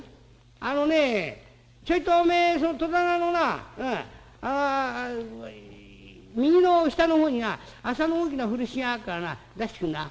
「あのねちょいとおめえその戸棚のな右の下のほうにな麻の大きな風呂敷があっからな出してくんな。